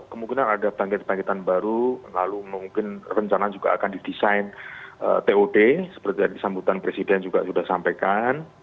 kemungkinan ada bangkit bangkitan baru lalu mungkin rencana juga akan didesain tod seperti yang disambutan presiden juga sudah sampaikan